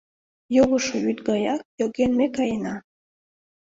Йогышо вӱд гаяк йоген ме каена